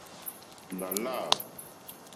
Nà lâ.